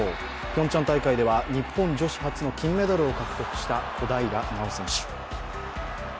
ピョンチャン大会では日本女子初の金メダルを獲得した小平奈緒選手。